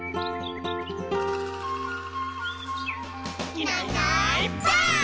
「いないいないばあっ！」